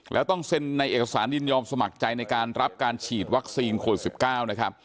แล้วต้องเซ็นในเอกสารยินยอมสมัครใจในการรับการฉีดวัคซีนโควิด๑๙นะครับ